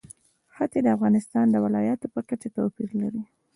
ښتې د افغانستان د ولایاتو په کچه توپیر لري.